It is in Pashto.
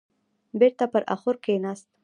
بېرته پر اخور کيناست.